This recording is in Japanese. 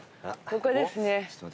ここですね。